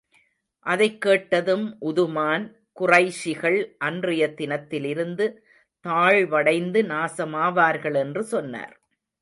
அதைக் கேட்டதும், உதுமான், குறைஷிகள் அன்றைய தினத்திலிருந்து தாழ்வடைந்து நாசமாவார்கள் என்று சொன்னார்.